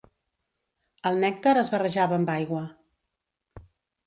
El nèctar es barrejava amb aigua.